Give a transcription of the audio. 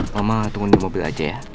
mama tunggu mobil aja ya